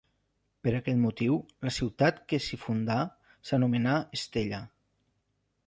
Per aquest motiu, la ciutat que s'hi fundà s'anomenà Estella.